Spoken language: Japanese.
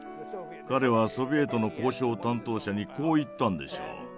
彼はソビエトの交渉担当者にこう言ったんでしょう。